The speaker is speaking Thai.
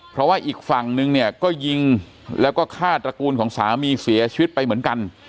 เพราะว่าอีกฝั่งนึงเนี่ยก็ยิงแล้วก็ฆ่าตระกูลของสามีเสียชีวิตไปเหมือนกัน